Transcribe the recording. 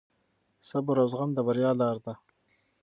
صبر او زغم د بریا لار ده.